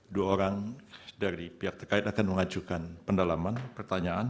dua orang dari pihak terkait akan mengajukan pendalaman pertanyaan